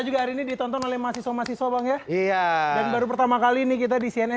juga hari ini ditonton oleh mahasiswa mahasiswa banget iya baru pertama kali ini kita di cnn